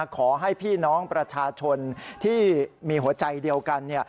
ขอให้พี่น้องประชาชนที่มีหัวใจเดียวกัน